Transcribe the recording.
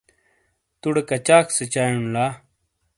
توڈے کچاک سیچائیون لا۔